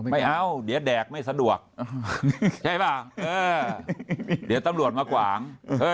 ไม่เอาเดี๋ยวแดกไม่สะดวกใช่ป่ะเดี๋ยวตำรวจมากวาง